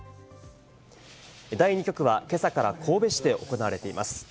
第２局は今朝から神戸市で行われています。